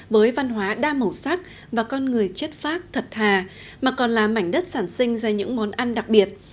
với văn hóa đa màu sắc và con người chất phác thật thà mà còn là mảnh đất sản sinh ra những món ăn đặc biệt